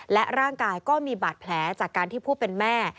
และร่างกายก็มีบาดแผลจากการที่ผู้เป็นแม่